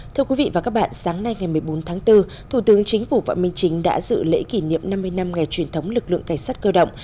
thưa quý vị và các bạn sáng nay ngày một mươi bốn tháng bốn thủ tướng chính phủ võ minh chính đã dự lễ kỷ niệm năm mươi năm ngày truyền thống lực lượng cảnh sát cơ động